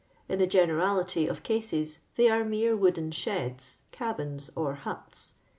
In the generality of cases they are mere wooden sheds, cabins, or huts.